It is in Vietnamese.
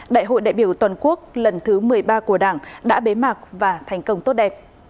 đại hội đại biểu toàn quốc lần thứ một mươi ba của đảng đã bế mạc và thành công tốt đẹp